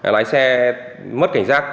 lái xe mất cảnh giác